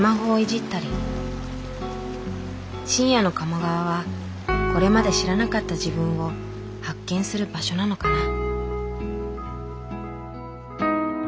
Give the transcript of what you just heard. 深夜の鴨川はこれまで知らなかった自分を発見する場所なのかな。